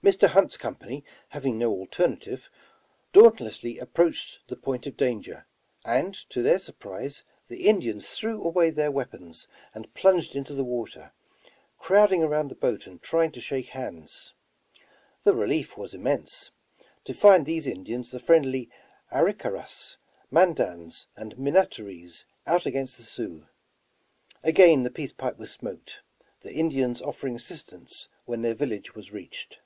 Mr. Hunt's company having no alternative, dannt lessly approached the point of danger, and to their surprise, the Indians threw away their weapons and plunged into the water, crowding around the boat and trying to shake hands. The relief was immense, to find these Indians the friendly Arickaras, Mandan3 and Minatarees out against the Sioux. Again the peace pipe was smoked, the Indians offering assistance when their village was reached.